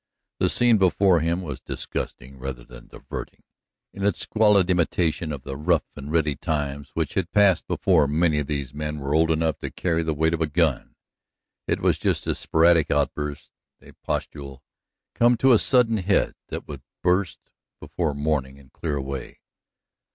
The scene before him was disgusting, rather than diverting, in its squalid imitation of the rough and ready times which had passed before many of these men were old enough to carry the weight of a gun. It was just a sporadic outburst, a pustule come to a sudden head that would burst before morning and clear away.